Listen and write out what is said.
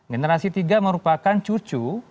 generasi ketiga merupakan cucu